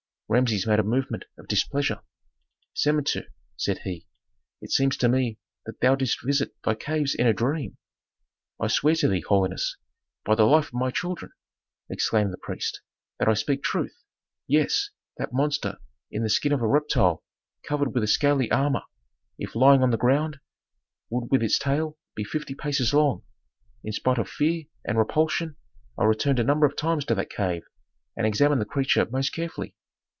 Rameses made a movement of displeasure. "Samentu," said he, "it seems to me that thou didst visit thy caves in a dream." "I swear to thee, holiness, by the life of my children!" exclaimed the priest, "that I speak truth. Yes; that monster in the skin of a reptile covered with a scaly armor, if lying on the ground, would with its tail be fifty paces long. In spite of fear and repulsion I returned a number of times to that cave and examined the creature most carefully."